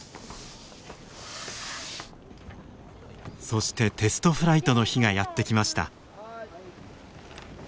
そしてテストフライトの日がやって来ました。